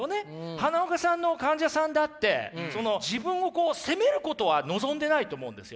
花岡さんの患者さんだって自分をこう責めることは望んでないと思うんですよね。